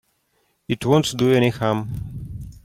It won't do you any harm.